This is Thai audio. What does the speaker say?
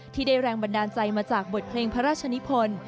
ที่ได้แรงบันดาลใจมาจากบทเพลงพระราชนิพล